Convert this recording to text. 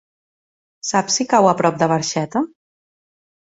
Saps si cau a prop de Barxeta?